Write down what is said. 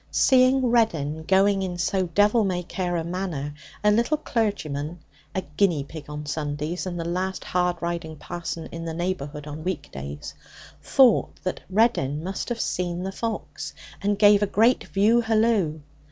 Seeing Reddin going in so devil may care a manner, a little clergyman (a 'guinea pig' on Sundays and the last hard riding parson in the neighbourhood on weekdays) thought that Reddin must have seen the fox, and gave a great view hallo.